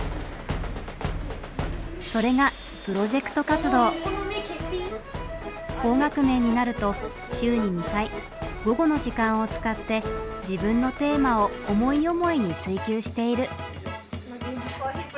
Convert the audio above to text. それが高学年になると週に２回午後の時間を使って自分のテーマを思い思いに追求している。